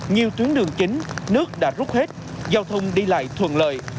nhiều tuyến đường chính nước đã rút hết giao thông đi lại thuận lợi